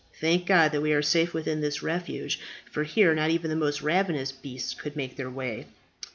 Thank God that we are safe within this refuge, for here not even the most ravenous beasts could make their way."